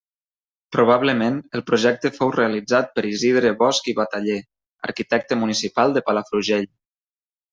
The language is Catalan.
Probablement el projecte fou realitzat per Isidre Bosch i Bataller, arquitecte municipal de Palafrugell.